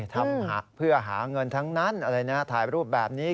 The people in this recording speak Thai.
ทำเพื่อหาเงินทั้งนั้นอะไรนะถ่ายรูปแบบนี้